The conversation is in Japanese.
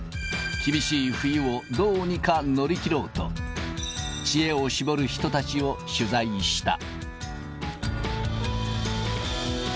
厳しい冬を、どうにか乗り切ろうと、知恵を絞る人たちを取材した。